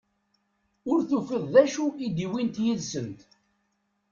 Ur tufiḍ d acu i d-uwint yid-sent.